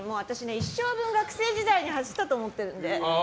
一生分、学生時代に走ったと思ってるんで。